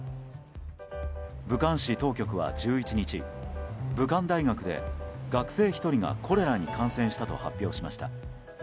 武漢市当局は１１日武漢大学で学生１人がコレラに感染したと発表しました。